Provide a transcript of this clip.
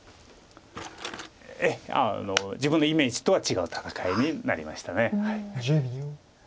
自分のイメージとは違う戦いになりました。